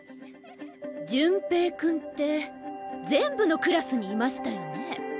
潤平君って全部のクラスにいましたよね？